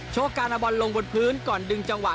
การเอาบอลลงบนพื้นก่อนดึงจังหวะ